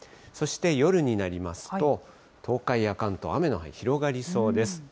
そして夜になりますと、東海や関東、雨の範囲、広がりそうです。